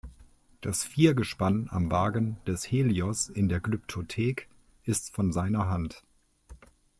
Das Viergespann am Wagen des Helios in der Glyptothek ist von seiner Hand.